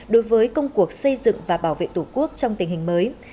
đối với công cuộc xây dựng và bảo vệ tổ quốc trong tình hình mới